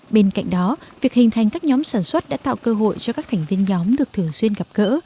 bên cạnh đó việc hình thành các nhóm sản xuất đã tạo cơ hội cho các thành viên nhóm được thường xuyên gặp gỡ